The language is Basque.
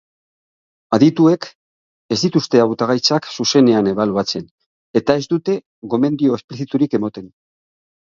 Adituek ez dituzte hautagaitzak zuzenean ebaluatzen eta ez dute gomendio espliziturik ematen.